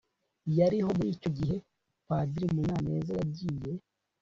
yariho muri icyo gihe Padiri Munyaneza yagiye